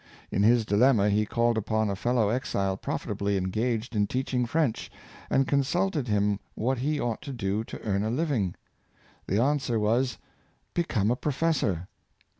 In his dilemma, he called upon a fellow exile 320 The French Exile. profitably engaged in teaching French, and consulted him what he ought to do to earn a living. The an swer was, *' Become a professor?